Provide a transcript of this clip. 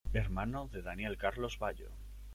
Hermano de Daniel Carlos Bayo.